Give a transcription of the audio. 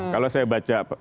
kalau saya baca